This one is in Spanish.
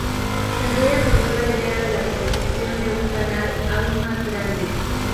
El rey aprobó la idea de la construcción de un canal aún más grande.